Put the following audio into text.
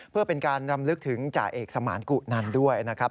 เพื่อเป็นการรำลึกถึงจ่าเอกสมานกุนันด้วยนะครับ